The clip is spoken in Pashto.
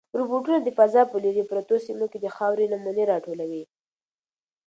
روبوټونه د فضا په لیرې پرتو سیمو کې د خاورې نمونې راټولوي.